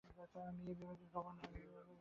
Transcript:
আমি এই বিভাগের গভর্নর।